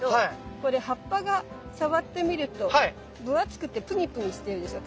これ葉っぱが触ってみると分厚くてプニプニしてるでしょ。